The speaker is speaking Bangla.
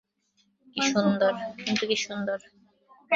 কিন্তু কী সুন্দর!